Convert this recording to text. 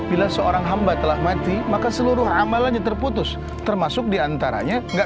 bila seorang hamba telah mati maka seluruh amalannya terputus termasuk diantaranya enggak